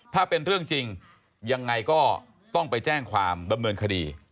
ถ้าเป็นเรื่องจริงยังไงก็ต้องไปแจ้งความดำเนินคดี